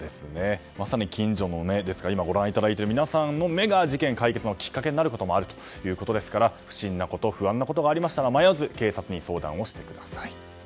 まさに近所の目ですから今、ご覧いただいている皆さんの目が事件解決のきっかけになることもあるということですから不審なこと不安なことがありましたら迷わず警察に相談してください。